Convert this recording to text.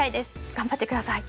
頑張ってください！